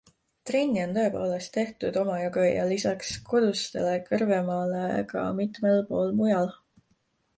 Trenni on tõepoolest tehtud omajagu ja lisaks kodusele Kõrvemaale ka mitmel pool mujal.